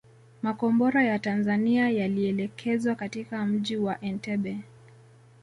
Makombora ya Tanzania yalielekezwa katika mji wa Entebbe